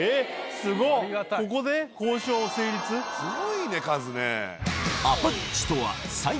すごいねカズね。